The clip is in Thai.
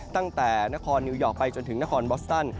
ตั้งแต่นาคอร์นนิวยอร์กไปจนถึงนาคอร์ลโบสตาน